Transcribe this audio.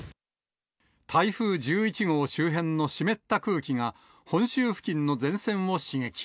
台風１１号周辺の湿った空気が本州付近の前線を刺激。